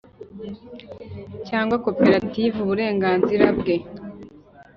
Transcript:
cyangwa koperative uburenganzira bwe